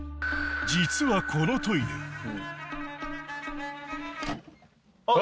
このトイレあっ